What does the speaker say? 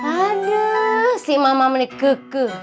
aduh si mama menikah kikah